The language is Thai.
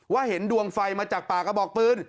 เห็นดวงไฟมาจากป่ากระบอกปืน